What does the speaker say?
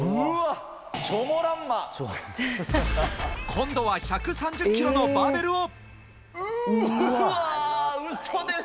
今度は１３０ｋｇのバーベルを。